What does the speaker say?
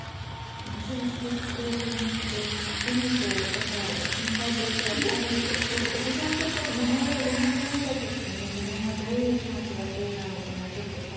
一応してくれてましてなんですけどだから先輩としてやっぱり私のことを名前が呼べなくなった時に自分がどういう気持ちがするんだろうっていうのはちょっと怖くって。